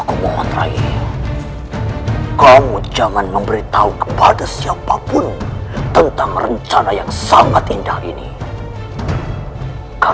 hai karena dia itu sangat cantik